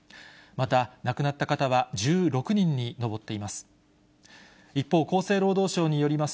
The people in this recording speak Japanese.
また、亡くなった方は１６人に上っています。